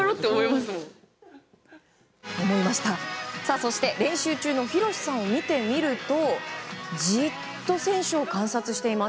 そして練習中の洋さんを見てみるとじっと選手を観察しています。